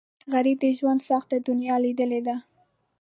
غریب د ژوند سخته دنیا لیدلې ده